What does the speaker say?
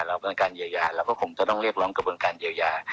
เป็นการเยียวยาเราก็คงจะต้องเรียกร้องกระบวนการเยียวยา